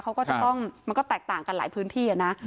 เขาก็จะต้องมันก็แตกต่างกันหลายพื้นที่นะ